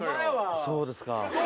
そうですか。